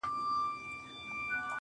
o يو خوا يې توره سي تياره ښكاريږي.